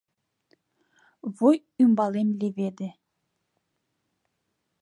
Вуй ӱмбалем леведе.